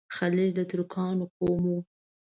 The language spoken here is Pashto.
خلج د ترکانو قوم وو.